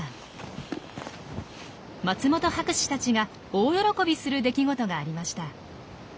松本博士たちが大喜びする出来事がありました。